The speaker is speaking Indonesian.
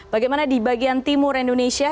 bagaimana di bagian timur indonesia